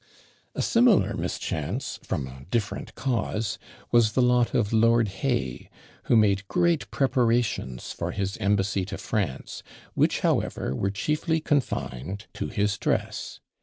A similar mischance, from a different cause, was the lot of Lord Hay, who made great preparations for his embassy to France, which, however, were chiefly confined to his dress.